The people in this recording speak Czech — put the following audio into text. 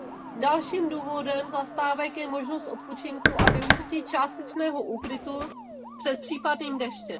Dalším důvodem zastávek je možnost odpočinku a využití částečného úkrytu před případným deštěm.